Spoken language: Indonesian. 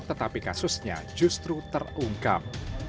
tetapi kasusnya justru terungkap